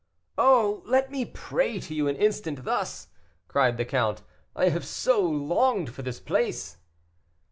"Oh! let me pray to you an instant, thus!" cried the count. "I have so longed for this place."